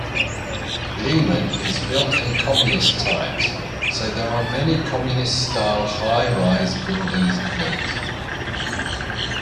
Liman is built in communist times, so there are many communist-style high-rise buildings built.